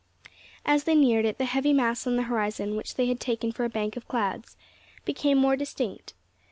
As they neared it, the heavy mass on the horizon, which they had taken for a bank of clouds, became more distinct.